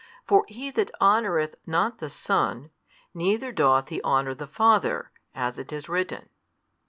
For he that honoureth not the Son, neither doth he honour the Father, as it is written.